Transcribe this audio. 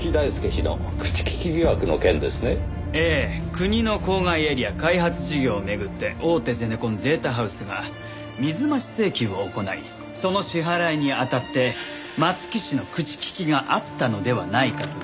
国の郊外エリア開発事業を巡って大手ゼネコンゼータハウスが水増し請求を行いその支払いにあたって松木氏の口利きがあったのではないかという疑惑。